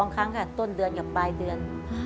๒ครั้งค่ะต้นเดือนกับปลายเดือน